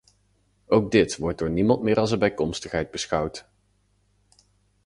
Ook dit wordt door niemand meer als een bijkomstigheid beschouwd.